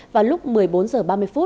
vào lúc một mươi bốn h ba mươi